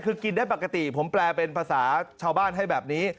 คือกินได้ปกติผมแปลเป็นภาษาชาวบ้านให้แบบนี้